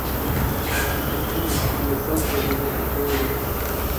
She continues to be associated with the charity.